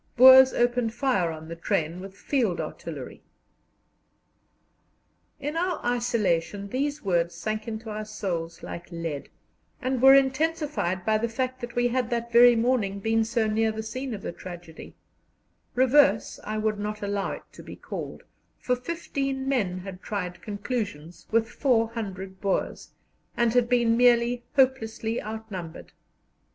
Boers opened fire on the train with field artillery." In our isolation these words sank into our souls like lead, and were intensified by the fact that we had that very morning been so near the scene of the tragedy "reverse" I would not allow it to be called, for fifteen men had tried conclusions with 400 Boers, and had been merely hopelessly outnumbered.